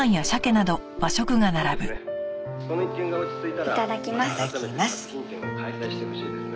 いただきます。